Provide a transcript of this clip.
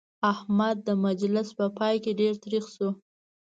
احمد د مجلس په پای کې ډېر تريخ شو.